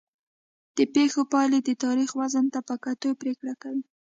د پېښو پایلې د تاریخ وزن ته په کتو پرېکړه کوي.